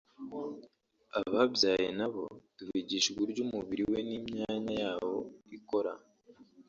Ababyaye nabo tubigisha uburyo umubiri we n’imyanya yawo ikora